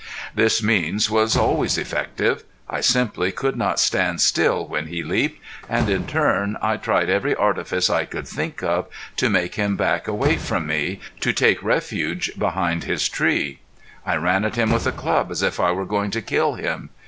This means was always effective. I simply could not stand still when he leaped; and in turn I tried every artifice I could think of to make him back away from me, to take refuge behind his tree. I ran at him with a club as if I were going to kill him.